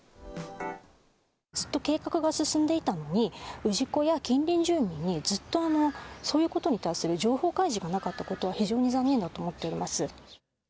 ずっと計画が進んでいたのに、氏子や近隣住民に、ずっとそういうことに対する情報開示がなかったことは非常に残念だと思っております。